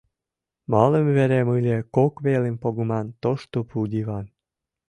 Малыме верем ыле кок велым погыман тошто пу диван.